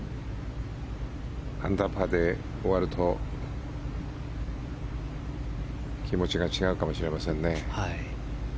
アンダーパーで終わると気持ちが違うかもしれませんね。